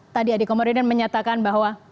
tadi adhiko marudin menyatakan bahwa